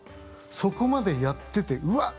そこまでやっててうわっ！